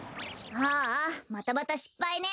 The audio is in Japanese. ああまたまたしっぱいね。